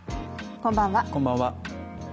こんばんは。